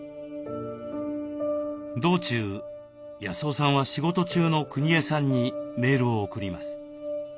道中康雄さんは仕事中のくにえさんにメールを送ります。